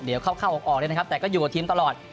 เดี๋ยวเข้าออกเลยนะครับแต่ก็อยู่กับทีมตลอด